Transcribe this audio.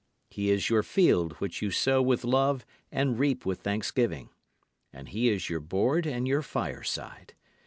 He is your field which you sow with love and reap with thanksgiving. And he is your board and your fireside.